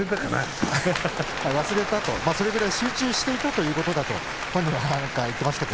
まあそれぐらい集中していたということだと本人は言っていました。